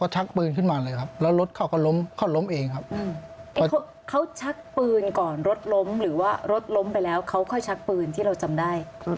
ชักปืนที่เราจำได้